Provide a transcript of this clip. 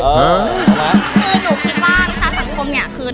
คือหนูคิดว่าวิชาสังคมเนี่ยคือ